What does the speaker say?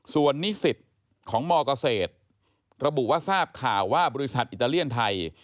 ส่วนนิสิตของมเกษตรระบุว่าทราบข่าวว่าบริษัทอิตาเลียนไทย